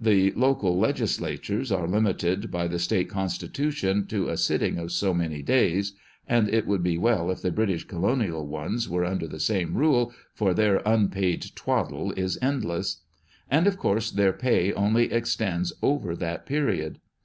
The local legislatures are limited by the state con stitution to a sitting of so many days (and it would be well if the British colonial ones were under the same rule, for their unpaid twaddle is endless), and, of course, their pay only extends over that period.